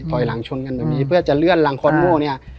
ถอยหลังชนกันตรงนี้เพื่อจะเลื่อนหลังคอนโม่เนี่ย